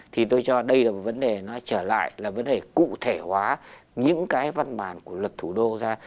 thì tôi cho đây là một vấn đề nó trở lại là vấn đề cụ thể hóa những cái văn bản của luật thủ đô ra